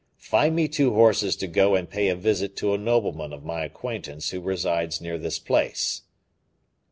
Find me two horses to go and pay a visit to a nobleman of my acquaintance who resides near this place."